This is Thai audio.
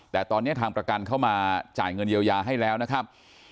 แต่ตอนนี้ทางประกันเข้ามาจ่ายเงินเยียวยาให้แล้วนะครับ